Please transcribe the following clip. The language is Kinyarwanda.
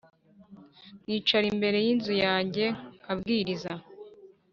Nicara imbere y inzu yanjye nkabwiriza